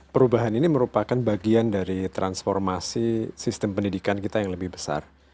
perubahan ini merupakan bagian dari transformasi sistem pendidikan kita yang lebih besar